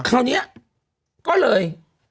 คราวนี้ก็เลย